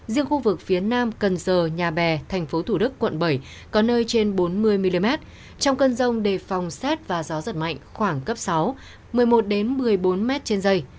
riêng khu vực phía nam cần giờ nhà bè tp thủ đức quận bảy có nơi trên bốn mươi mm trong cơn rông đề phòng xét và gió giật mạnh khoảng cấp sáu một mươi một một mươi bốn m trên dây